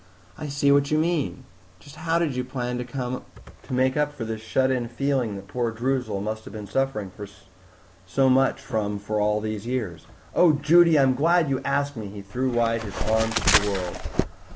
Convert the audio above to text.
"I see what you mean. Just how did you plan to make up for this shut in feeling that poor Droozle must have been suffering so much from for all these years?" "Oh, Judy, I'm so glad you asked me!" He threw wide his arms to the world.